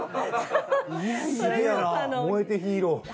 『燃えてヒーロー』。